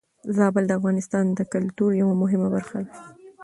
زابل د افغانستان د کلتور يوه مهمه برخه ده.